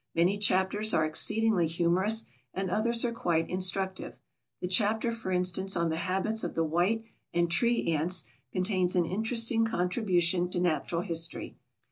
Many chapters are exceedingly humorous, and others are quite instructive. The chapter, for instance, on the habits of the white and tree ants contains an interesting contribution to natural history.